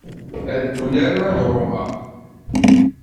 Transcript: Ad ddun arma d Roma.